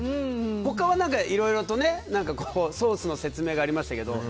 他はいろいろとソースの説明がありましたけど。